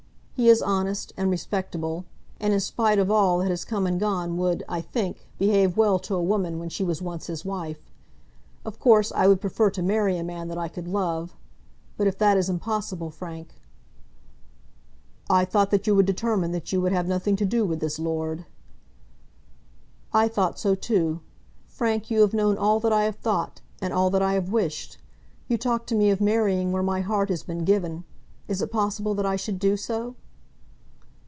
He is honest and respectable; and in spite of all that has come and gone would, I think, behave well to a woman when she was once his wife. Of course, I would prefer to marry a man that I could love. But if that is impossible, Frank " "I thought that you had determined that you would have nothing to do with this lord." "I thought so too. Frank, you have known all that I have thought, and all that I have wished. You talk to me of marrying where my heart has been given. Is it possible that I should do so?"